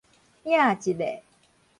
影一下